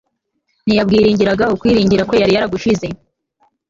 ntiyabwiringiraga Ukwiringira kwe yari yaragushyize